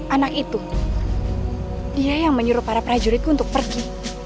anak itu dia yang menyuruh para prajuritku untuk pergi